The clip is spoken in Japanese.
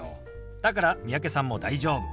だから三宅さんも大丈夫。